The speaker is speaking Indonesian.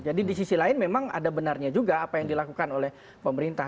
jadi di sisi lain memang ada benarnya juga apa yang dilakukan oleh pemerintah